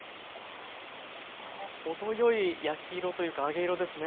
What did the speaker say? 程よい焼き色というか揚げ色ですね。